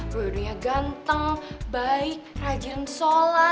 boy boynya ganteng baik rajin solat